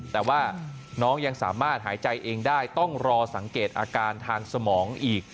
แต่ว่าน้องยังสามารถหายใจเองได้ต้องรอสังเกตอาการทางสมองอีก